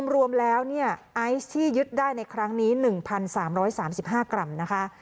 รวมแล้วไอซ์ที่ยึดได้ในครั้งนี้๑๓๓๕กรัมนะคะ